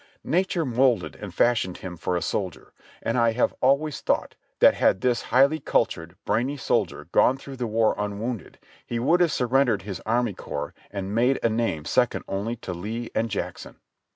Nature molded and fash ioned him for a soldier, and I have always thought that had this highly cultured, brainy soldier gone through the war unwounded he would have surrendered his army corps and made a name second only to Lee and Jackson.